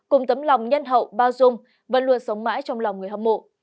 cùng tấm lòng nhân hậu bao dung vẫn luôn sống mãi trong lòng người hâm mộ